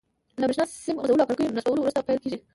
له بریښنا سیم غځولو او کړکیو نصبولو وروسته پیل کیږي.